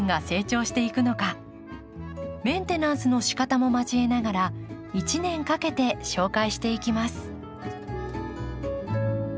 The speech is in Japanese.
メンテナンスのしかたも交えながら一年かけて紹介していきます。